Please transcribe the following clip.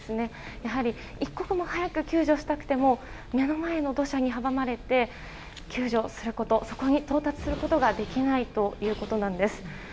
やはり一刻も早く救助したくても目の前の土砂に阻まれて救助することそこに到達することができないということなんです。